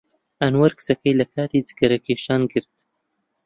ئەنوەر کچەکەی لە کاتی جگەرەکێشان گرت.